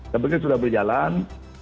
tapi ini sudah berjalan